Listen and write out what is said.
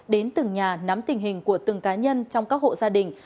đến từng nhà nắm tình hình của từng cá nhân trong các hộ gia đình